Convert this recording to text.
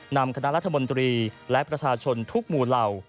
นำคณะรัฐมนตรีและประชาชนทุกหมู่เหล่า